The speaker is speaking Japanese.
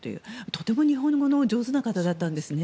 とても日本語の上手な方だったんですね。